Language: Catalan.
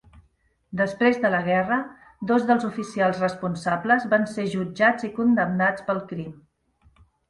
Després de la guerra, dos dels oficials responsables van ser jutjats i condemnats pel crim.